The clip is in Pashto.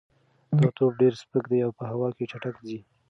دا توپ ډېر سپک دی او په هوا کې چټک ځي.